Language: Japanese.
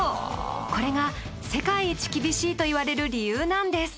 これが世界一厳しいと言われる理由なんです。